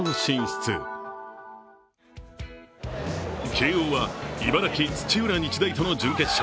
慶応は茨城・土浦日大との準決勝。